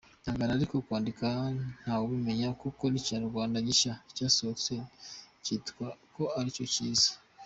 Ihangane ariko kwandika ntawubimenya kuko nikinyarwanda gishya cyasohotse kitwa ko aricyo kiza.